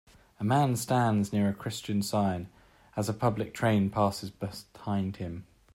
A man stands near a Christian sign, as a public train passes behind him.